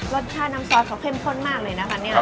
รสชาน้ำซอสเค็มข้นมากเลยนะคะ